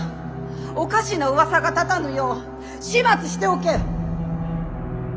おかしなうわさが立たぬよう始末しておけ！